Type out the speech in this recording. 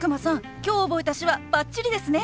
今日覚えた手話バッチリですね！